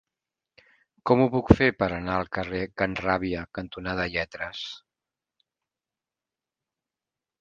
Com ho puc fer per anar al carrer Can Ràbia cantonada Lletres?